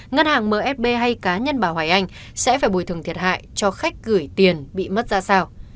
ngân hàng msb hay cá nhân bà hoài anh sẽ phải bồi thường thiệt hại cho khách gửi tiền bị mất ra sao